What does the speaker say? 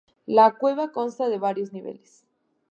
La cueva consta de varios niveles.